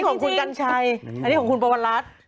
อันนี้ของคุณกัญชัยอันนี้ของคุณปวรรณรัฐ